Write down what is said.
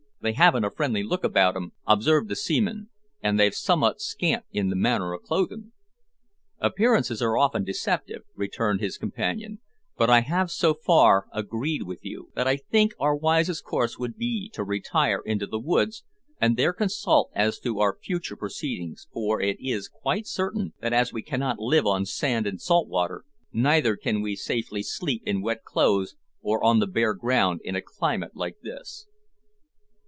"They haven't a friendly look about 'em," observed the seaman, "and they're summat scant in the matter of clothin'." "Appearances are often deceptive," returned his companion, "but I so far agree with you that I think our wisest course will be to retire into the woods, and there consult as to our future proceedings, for it is quite certain that as we cannot live on sand and salt water, neither can we safely sleep in wet clothes or on the bare ground in a climate like this."